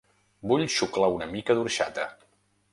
Vull xuclar una mica d'orxata